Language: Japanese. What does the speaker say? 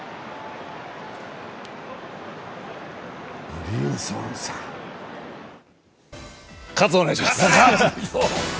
ブリンソンさん喝、お願いします。